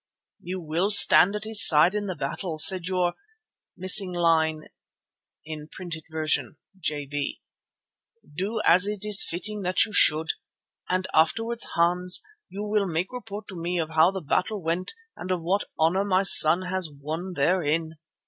"'You will stand at his side in the battle,' said your reverend father, 'and those things which you desire you will do, as it is fitting that you should. And afterwards, Hans, you will make report to me of how the battle went and of what honour my son has won therein.